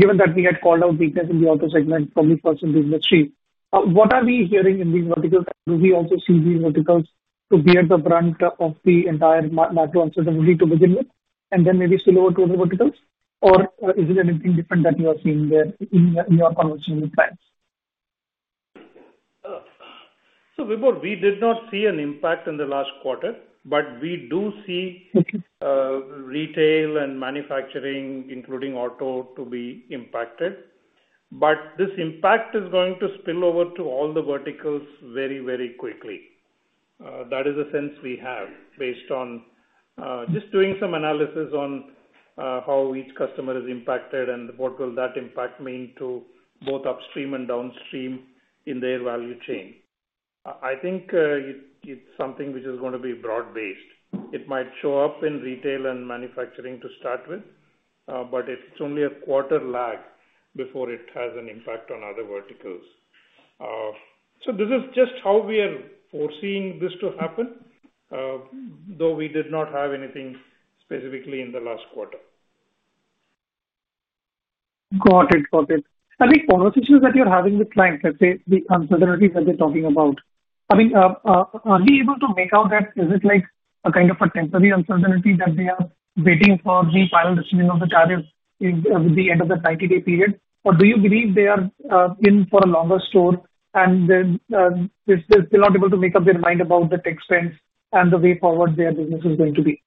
Given that we had called out weakness in the auto segment, probably first in the industry, what are we hearing in these verticals? Do we also see these verticals to be at the brunt of the entire macro uncertainty to begin with, and then maybe spill over to other verticals? Or is it anything different that you are seeing there in your conversation with clients? Vibhor, we did not see an impact in the last quarter, but we do see retail and manufacturing, including auto, to be impacted. This impact is going to spill over to all the verticals very, very quickly. That is the sense we have based on just doing some analysis on how each customer is impacted and what will that impact mean to both upstream and downstream in their value chain. I think it's something which is going to be broad-based. It might show up in retail and manufacturing to start with, but it's only a quarter lag before it has an impact on other verticals. This is just how we are foreseeing this to happen, though we did not have anything specifically in the last quarter. Got it. Got it. I think conversations that you're having with clients, let's say, the uncertainties that they're talking about, I mean, are they able to make out that? Is it a kind of a temporary uncertainty that they are waiting for the final decision of the tariffs with the end of the 90-day period? Or do you believe they are in for a longer store, and they're still not able to make up their mind about the tech spends and the way forward their business is going to be?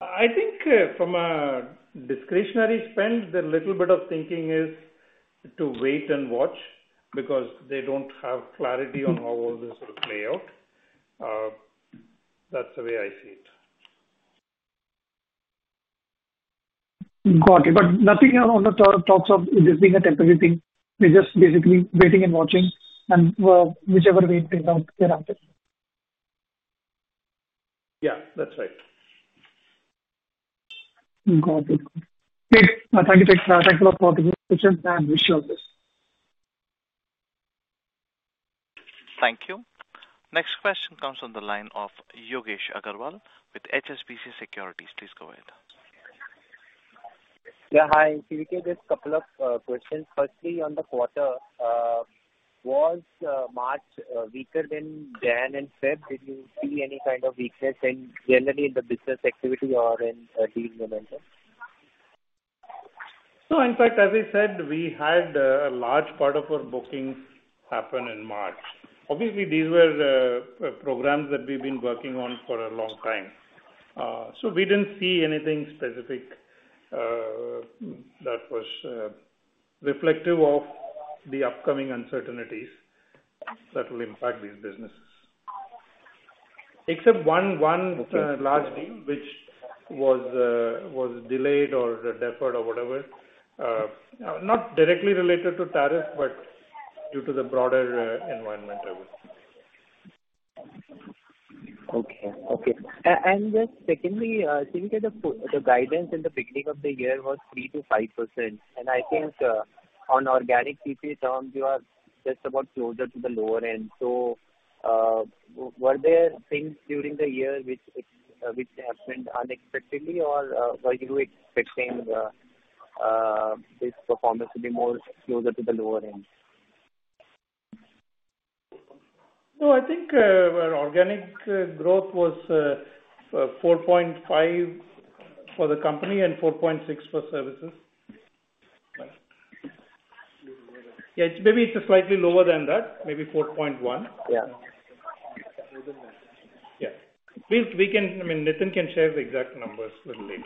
I think from a discretionary spend, the little bit of thinking is to wait and watch because they don't have clarity on how all this will play out. That's the way I see it. Got it. Nothing on the talks of this being a temporary thing. They're just basically waiting and watching, and whichever way it plays out, they're at it. Yeah. That's right. Got it. Great. Thank you. Thanks a lot for the questions, and we'll share this. Thank you. Next question comes from the line of Yogesh Aggarwal with HSBC Securities. Please go ahead. Yeah. Hi. CVK, just a couple of questions. Firstly, on the quarter, was March weaker than January and February? Did you see any kind of weakness generally in the business activity or in deal momentum? In fact, as I said, we had a large part of our bookings happen in March. Obviously, these were programs that we've been working on for a long time. We did not see anything specific that was reflective of the upcoming uncertainties that will impact these businesses, except one large deal which was delayed or deferred or whatever. Not directly related to tariffs, but due to the broader environment, I would say. Okay. Okay. Just secondly, CVK, the guidance in the beginning of the year was 3-5%. I think on organic CP terms, you are just about closer to the lower end. Were there things during the year which happened unexpectedly, or were you expecting this performance to be more closer to the lower end? No, I think our organic growth was 4.5% for the company and 4.6% for services. Yeah. Maybe it is slightly lower than that, maybe 4.1%. Yeah. I mean, Nitin can share the exact numbers with you later.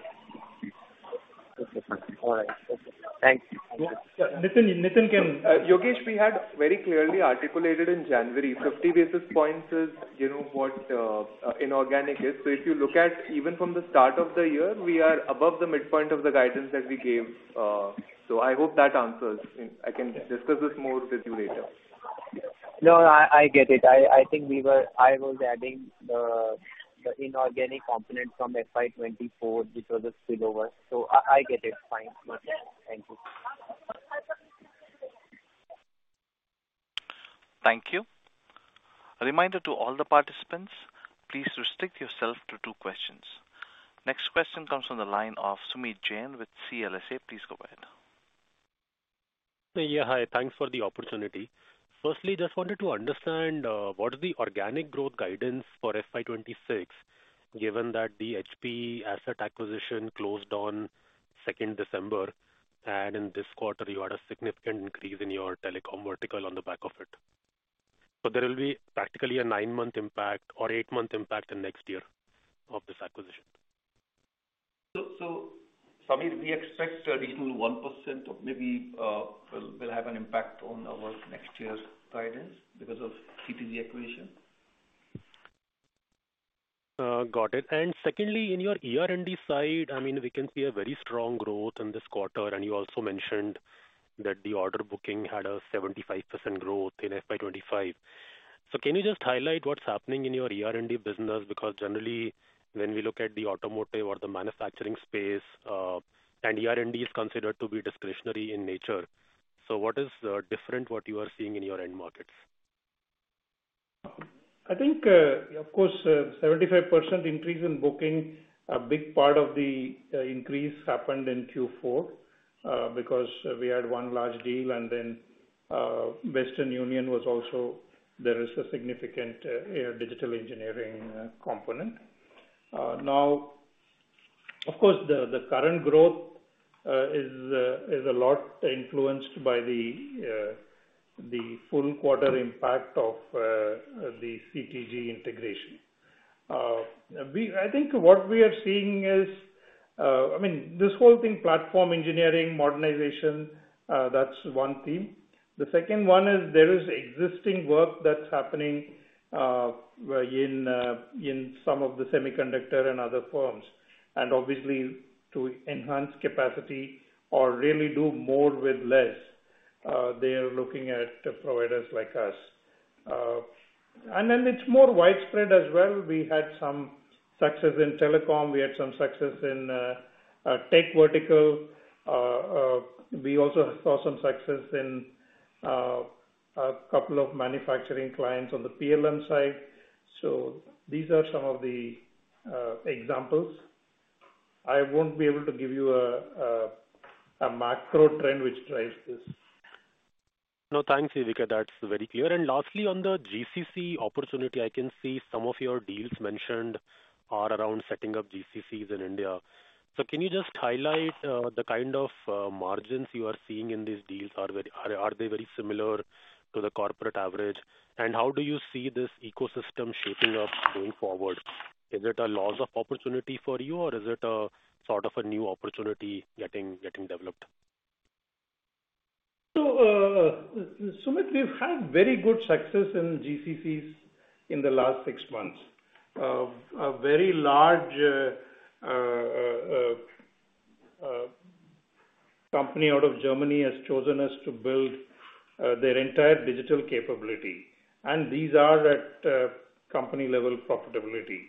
Okay. All right. Okay. Thanks. Nitin can. Yogesh, we had very clearly articulated in January, 50 basis points is what inorganic is. If you look at even from the start of the year, we are above the midpoint of the guidance that we gave. I hope that answers. I can discuss this more with you later. No, I get it. I think I was adding the inorganic component from FY 2024, which was a spillover. I get it. Fine. Thank you. Thank you. Reminder to all the participants, please restrict yourself to two questions. Next question comes from the line of Sumeet Jain with CLSA. Please go ahead. Yeah. Hi. Thanks for the opportunity. Firstly, just wanted to understand what is the organic growth guidance for FY 2026, given that the HPE Asset Acquisition closed on 2 December, and in this quarter, you had a significant increase in your telecom vertical on the back of it. There will be practically a nine-month impact or eight-month impact in next year of this acquisition. Sumeet, we expect additional 1% of maybe will have an impact on our next year's guidance because of CTG acquisition. Got it. Secondly, in your ER&D side, I mean, we can see a very strong growth in this quarter, and you also mentioned that the order booking had a 75% growth in FY 2025. Can you just highlight what's happening in your ER&D business? Because generally, when we look at the automotive or the manufacturing space, and ER&D is considered to be discretionary in nature. What is different, what you are seeing in your end markets? I think, of course, 75% increase in booking. A big part of the increase happened in Q4 because we had one large deal, and then Western Union was also. There is a significant digital engineering component. Now, of course, the current growth is a lot influenced by the full quarter impact of the CTG integration. I think what we are seeing is, I mean, this whole thing, platform engineering, modernization, that's one theme. The second one is there is existing work that's happening in some of the semiconductor and other firms. Obviously, to enhance capacity or really do more with less, they are looking at providers like us. It is more widespread as well. We had some success in telecom. We had some success in tech vertical. We also saw some success in a couple of manufacturing clients on the PLM side. These are some of the examples. I won't be able to give you a macro trend which drives this. No, thanks, CVK. That's very clear. Lastly, on the GCC opportunity, I can see some of your deals mentioned are around setting up GCCs in India. Can you just highlight the kind of margins you are seeing in these deals? Are they very similar to the corporate average? How do you see this ecosystem shaping up going forward? Is it a loss of opportunity for you, or is it sort of a new opportunity getting developed? Sumeet, we've had very good success in GCCs in the last six months. A very large company out of Germany has chosen us to build their entire digital capability. These are at company-level profitability.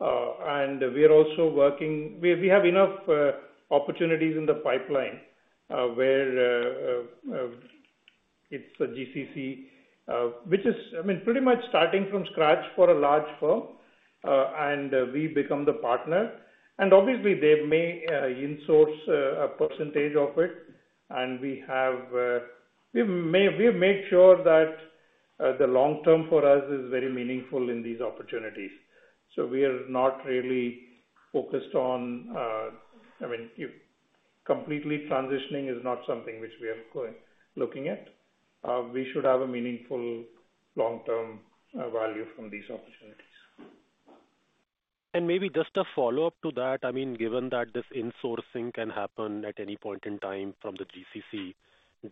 We are also working, we have enough opportunities in the pipeline where it's a GCC, which is, I mean, pretty much starting from scratch for a large firm, and we become the partner. Obviously, they may insource a percentage of it, and we have made sure that the long term for us is very meaningful in these opportunities. We are not really focused on, I mean, completely transitioning is not something which we are looking at. We should have a meaningful long-term value from these opportunities. Maybe just a follow-up to that, I mean, given that this insourcing can happen at any point in time from the GCC,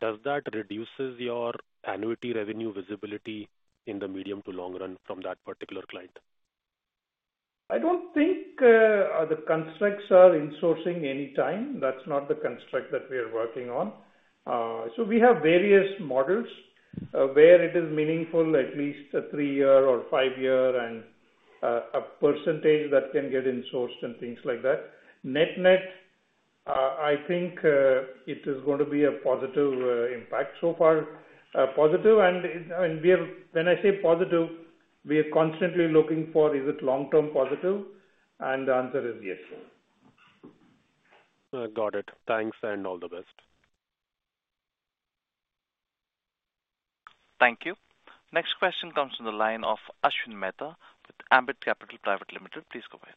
does that reduce your annuity revenue visibility in the medium to long run from that particular client? I do not think the constructs are insourcing anytime. That is not the construct that we are working on. We have various models where it is meaningful, at least a three-year or five-year and a percentage that can get insourced and things like that. Net-net, I think it is going to be a positive impact so far. Positive. When I say positive, we are constantly looking for, is it long-term positive? The answer is yes. Got it. Thanks and all the best. Thank you. Next question comes from the line of Ashwin Mehta with Ambit Capital Private Limited.Please go ahead.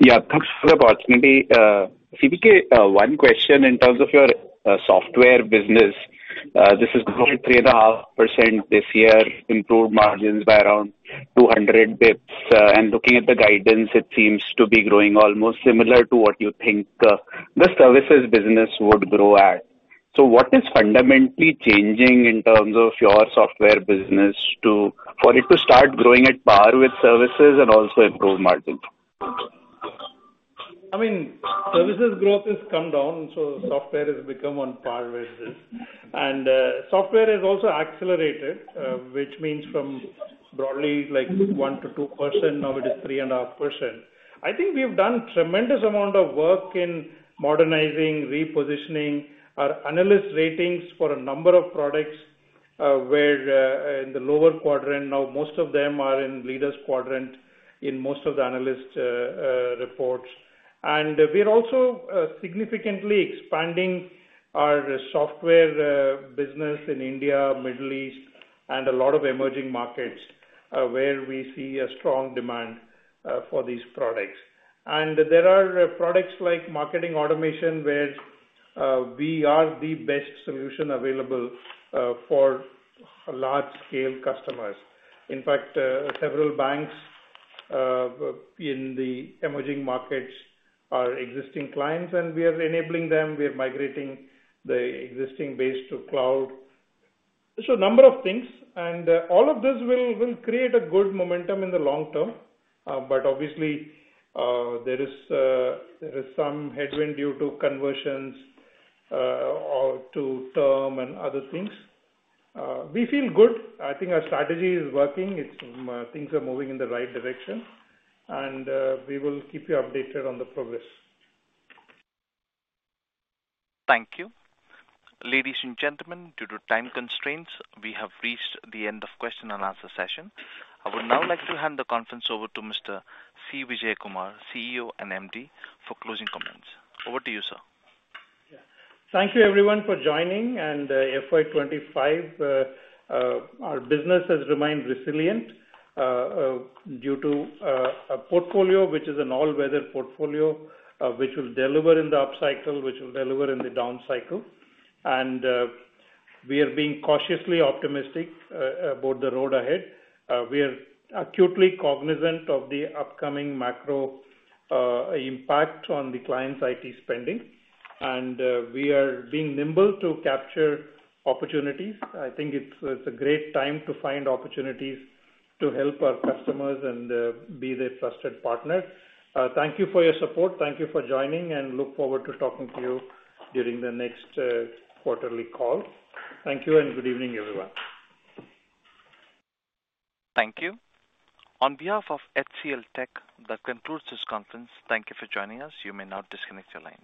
Yeah. Thanks for the opportunity. CVK, one question in terms of your software business. This is growing 3.5% this year, improved margins by around 200 basis points. Looking at the guidance, it seems to be growing almost similar to what you think the services business would grow at. What is fundamentally changing in terms of your software business for it to start growing at par with services and also improve margins? I mean, services growth has come down, so software has become on par with this. Software has also accelerated, which means from broadly like 1-2%, now it is 3.5%. I think we've done a tremendous amount of work in modernizing, repositioning our analyst ratings for a number of products in the lower quadrant. Now, most of them are in Leaders' quadrant in most of the analyst reports. We are also significantly expanding our software business in India, Middle East, and a lot of emerging markets where we see a strong demand for these products. There are products like marketing automation where we are the best solution available for large-scale customers. In fact, several banks in the emerging markets are existing clients, and we are enabling them. We are migrating the existing base to cloud. A number of things. All of this will create a good momentum in the long term. Obviously, there is some headwind due to conversions to term and other things. We feel good. I think our strategy is working. Things are moving in the right direction. We will keep you updated on the progress. Thank you. Ladies and gentlemen, due to time constraints, we have reached the end of the question and answer session. I would now like to hand the conference over to Mr. C. Vijayakumar, CEO and MD, for closing comments. Over to you, sir. Thank you, everyone, for joining. For FY 2025, our business has remained resilient due to a portfolio which is an all-weather portfolio, which will deliver in the upcycle, which will deliver in the downcycle. We are being cautiously optimistic about the road ahead. We are acutely cognizant of the upcoming macro impact on the client's IT spending. We are being nimble to capture opportunities. I think it's a great time to find opportunities to help our customers and be their trusted partner. Thank you for your support. Thank you for joining, and look forward to talking to you during the next quarterly call. Thank you, and good evening, everyone. Thank you. On behalf of HCLTech, that concludes this conference. Thank you for joining us. You may now disconnect your lines.